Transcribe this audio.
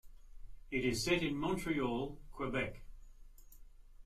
It is set in Montreal, Quebec.